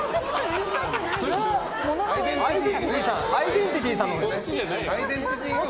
それはアイデンティティさんのほう。